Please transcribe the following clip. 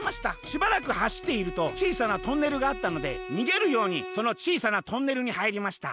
しばらくはしっているとちいさなトンネルがあったのでにげるようにそのちいさなトンネルにはいりました。